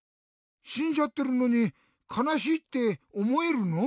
しんじゃってるのに「かなしい」っておもえるの？